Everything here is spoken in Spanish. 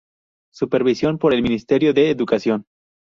Supervisión por el ministerio de educación.